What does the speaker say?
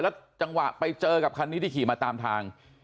จังหวะไปเจอกับคันนี้ที่ขี่มาตามทาง